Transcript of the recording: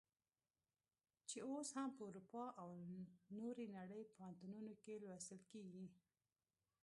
چې اوس هم په اروپا او نورې نړۍ پوهنتونونو کې لوستل کیږي.